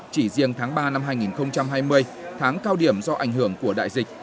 chỉ riêng tháng ba năm hai nghìn hai mươi tháng cao điểm do ảnh hưởng của đại dịch